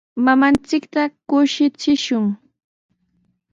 Mamanchikta kushichishun.